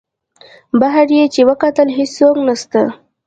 بهر یې چې وکتل هېڅوک نسته.